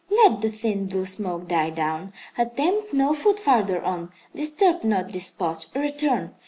"Let the thin, blue smoke die down. Attempt no foot farther on. Disturb not this spot. Return.